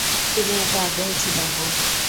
তিনি এতে আগ্রহী ছিলেন না।